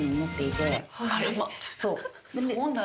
そう。